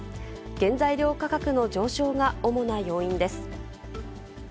原材料価格の上昇が主な要因です。